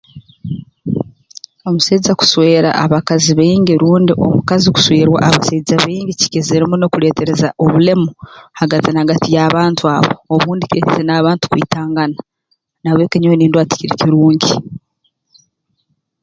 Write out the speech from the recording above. Omusaija kuswera abakazi baingi rundi omukazi keswerwa abasaija baingi kikizire muno kuleetereza obulemu hagati na hagati y'abantu abo obundi kireetiire n'abantu okwitangana na habw'eki nyowe nindora tikiri kirungi